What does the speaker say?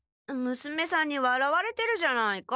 娘さんにわらわれてるじゃないか。